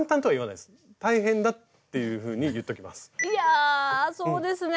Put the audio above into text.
いやそうですね。